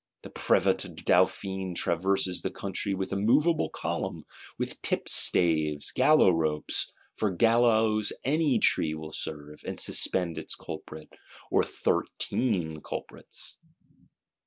The Prévôt of Dauphiné traverses the country "with a movable column," with tipstaves, gallows ropes; for gallows any tree will serve, and suspend its culprit, or "thirteen" culprits.